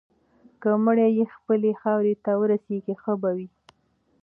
که مړی یې خپلې خاورې ته ورسیږي، ښه به وي.